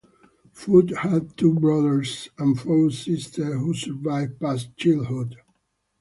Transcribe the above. Foot had two brothers and four sisters who survived past childhood.